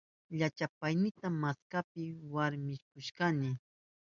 Llachapaynita waskapi warkushkani.